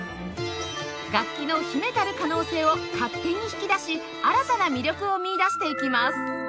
楽器の秘めたる可能性を勝手に引き出し新たな魅力を見いだしていきます